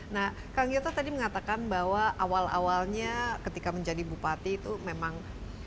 nah kang yoto tadi mengatakan bahwa awal awalnya ketika menjadi bupati itu memang